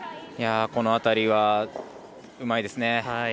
この辺りはうまいですね。